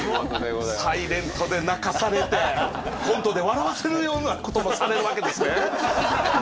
「ｓｉｌｅｎｔ」で泣かされてコントで笑わせるようなこともされるわけですね。